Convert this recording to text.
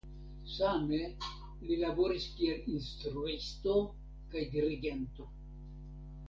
Same li laboris kiel instruisto kaj dirigento.